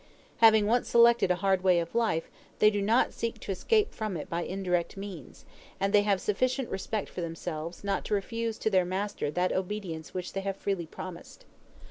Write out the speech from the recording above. Having once selected a hard way of life, they do not seek to escape from it by indirect means; and they have sufficient respect for themselves, not to refuse to their master that obedience which they have freely promised.